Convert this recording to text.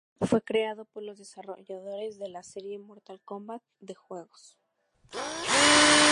Fue creado por los desarrolladores de la serie de Mortal Kombat de juegos.